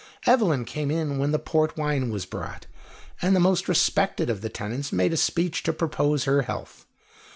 Evelyn came in when the port wine was brought, and the most respected of the tenants made a speech to propose her health.